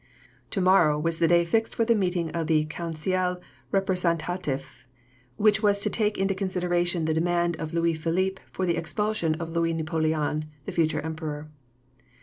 "To morrow" was the day fixed for the meeting of the Conseil Représentatif which was to take into consideration the demand of Louis Philippe for the expulsion of Louis Napoleon, the future Emperor.